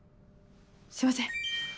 すいません。